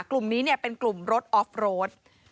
กลุ่มนี้เป็นกลุ่มรถออฟโรด